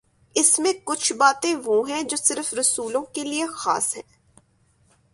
اس میںکچھ باتیں وہ ہیں جو صرف رسولوں کے لیے خاص ہیں۔